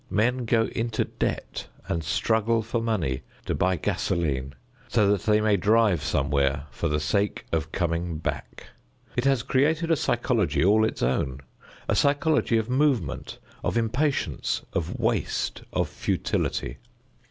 Men go into debt and struggle for money to buy gasoline so that they may drive somewhere for the sake of coming back. It has created a psychology all its own, a psychology of movement, of impatience, of waste, of futility.